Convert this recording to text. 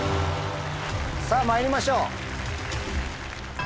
さぁまいりましょう。